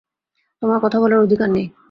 তোমার কথা বলার অধিকার নেই!